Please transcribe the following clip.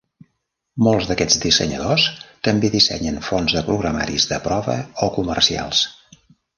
Molts d'aquests dissenyadors també dissenyen fonts de programaris de prova o comercials.